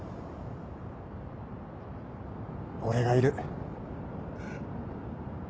俺がいる。